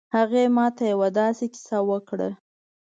هغې ما ته یو ه داسې کیسه وکړه